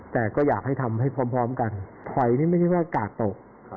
แต่ก็อยากให้ทำให้พร้อมกันถอยนี่ไม่ใช่ว่ากาดตก